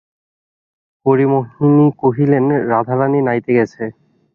হরিমোহিনী কহিলেন, রাধারানী নাইতে গেছে।